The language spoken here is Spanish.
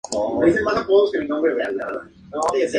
Fue precursora de la actual Serie del Caribe.